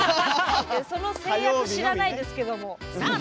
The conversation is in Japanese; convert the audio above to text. その制約、知らないですけども。